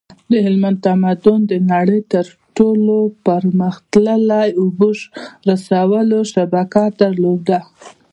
د هلمند تمدن د نړۍ تر ټولو پرمختللی د اوبو رسولو شبکه درلوده